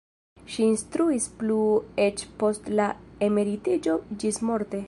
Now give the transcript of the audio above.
Ŝi instruis plu eĉ post la emeritiĝo ĝismorte.